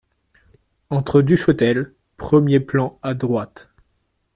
Entre Duchotel, premier plan à droite.